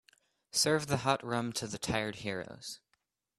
Serve the hot rum to the tired heroes.